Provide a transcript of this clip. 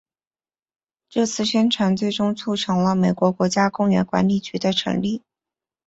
这次宣传最终促成了美国国家公园管理局的成立。